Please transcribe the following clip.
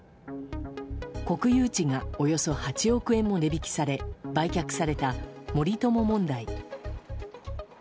国有地がおよそ８億円も値引きされ売却された森友問題。